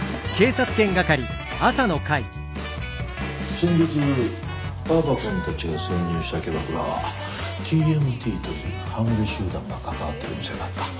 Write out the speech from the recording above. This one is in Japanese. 先日青葉くんたちが潜入したキャバクラは「ＴＭＴ」という半グレ集団が関わってる店だった。